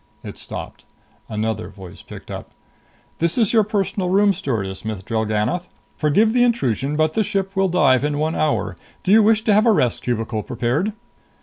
It stopped. Another voice picked up. "This is your Personal Room Stewardess, Miss Drellgannoth. Forgive the intrusion, but the ship will dive in one hour. Do you wish to have a rest cubicle prepared?"